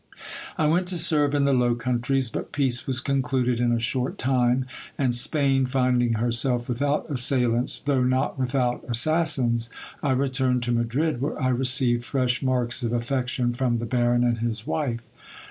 I went to serve in the Low Countries, but peace was concluded in a short time ; and Spain finding herself without assailants, though not without assas sins, I returned to Madrid, where I received fresh marks of affection from the Baron and his wife.